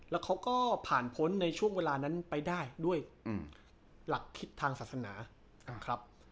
แล้วเขาก็ผ่านพ้นในช่วงเวลานั้นไปได้ด้วยหลักคิดทางศาสนาครับ